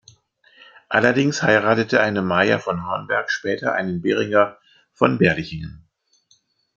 Allerdings heiratete eine Maja von Hornberg später einen Berenger von Berlichingen.